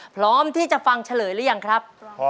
พร้อมที่จะฟังเฉลยหรือยังครับ